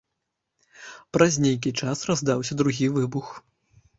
Праз нейкі час раздаўся другі выбух.